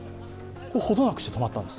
程なくして止まったんです。